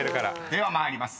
［では参ります。